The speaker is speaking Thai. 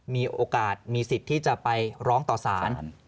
มีโอกาสมีสิทธิ์ที่จะไปร้องต่อสาร